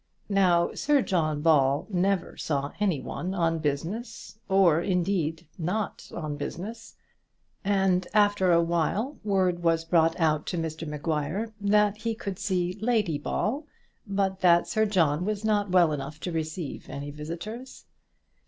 Now, Sir John Ball never saw any one on business, or, indeed, not on business; and, after a while, word was brought out to Mr Maguire that he could see Lady Ball, but that Sir John was not well enough to receive any visitors.